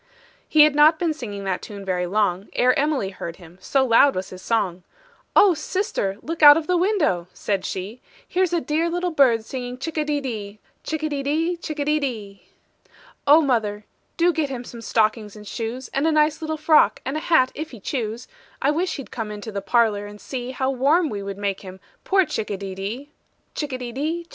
He had not been singing that tune very long, Ere Emily heard him, so loud was his song: "Oh, sister, look out of the window," said she; "Here's a dear little bird singing chick a de dee. Chick a de dee, etc. "Oh, mother, do get him some stockings and shoes, And a nice little frock, and a hat if he choose; I wish he'd come into the parlor and see How warm we would make him, poor chick a de dee." Chick a de dee, etc.